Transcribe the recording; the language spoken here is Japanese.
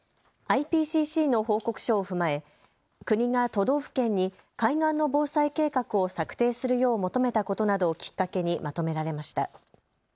ＩＰＣＣの報告書を踏まえ国が都道府県に海岸の防災計画を策定するよう求めたことなどをきっかけにまとめられました。